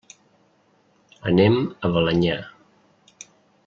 Anem a Balenyà.